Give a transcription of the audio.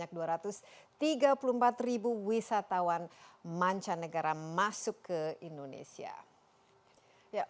dan kuala namu di sumatera utara dimana sebanyak dua ratus tiga puluh empat wisatawan mancanegara masuk ke indonesia